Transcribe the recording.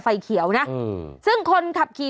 วันนี้จะเป็นวันนี้